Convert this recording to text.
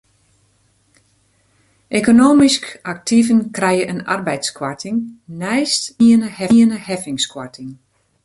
Ekonomysk aktiven krije in arbeidskoarting neist de algemiene heffingskoarting.